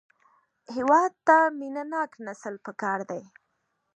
هېواد ته مینهناک نسل پکار دی